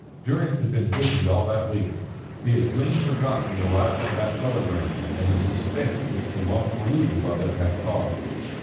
Durrance had been very busy all that week. He had clean forgotten the arrival of that telegram and the suspense which the long perusal of it had caused.